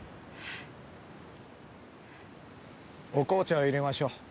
お紅茶を入れましょう。